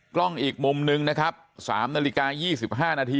กล้องอีกมุมนึงนะครับ๓นาฬิกา๒๕นาที